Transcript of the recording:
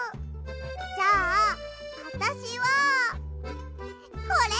じゃああたしはこれ！